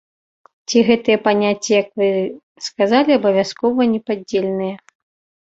Ці гэтыя паняцці, як вы сказалі, абавязкова непадзельныя?